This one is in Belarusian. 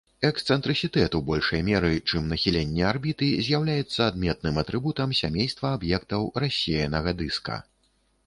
Эксцэнтрысітэт у большай меры, чым нахіленне арбіты, з'яўляецца адметным атрыбутам сямейства аб'ектаў рассеянага дыска.